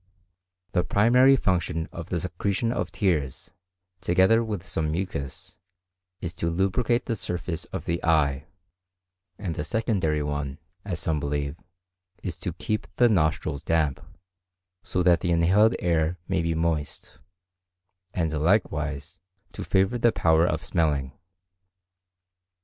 The primary function of the secretion of tears, together with some mucus, is to lubricate the surface of the eye; and a secondary one, as some believe, is to keep the nostrils damp, so that the inhaled air may be moist, and likewise to favour the power of smelling.